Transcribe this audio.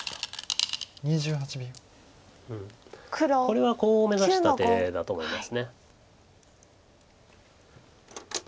これはコウを目指した手だと思います。